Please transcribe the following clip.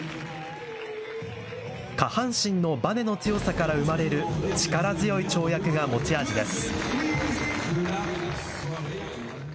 下半身のばねの強さから生まれる力強い跳躍が持ち味です。